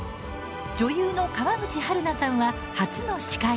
女優の川口春奈さんは、初の司会。